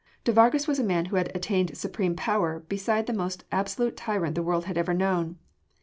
De Vargas was a man who had attained supreme power beside the most absolute tyrant the world had ever known.